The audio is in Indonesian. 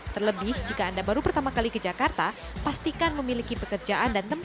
terlebih jika anda baru pertama kali ke jakarta pastikan memiliki pekerjaan dan tempat